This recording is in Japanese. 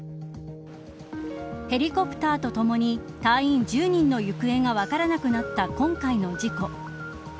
ヘリコプターとともに隊員１０人の行方が分からなくなった今回の事故。